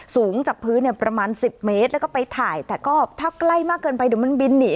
สูงจากพื้นเนี่ยประมาณ๑๐เมตรแล้วก็ไปถ่ายแต่ก็ถ้าใกล้มากเกินไปเดี๋ยวมันบินหนี